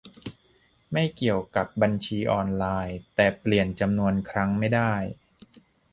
ไม่เกี่ยวกับบัญชีออนไลน์ แต่เปลี่ยนจำนวนครั้งไม่ได้